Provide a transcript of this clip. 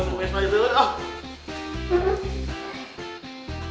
oh anggap gue mau kesana juga om